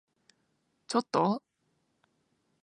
ちょっと？